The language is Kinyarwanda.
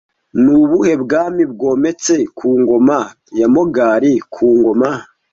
Ni ubuhe bwami bwometse ku ngoma ya Mogali ku ngoma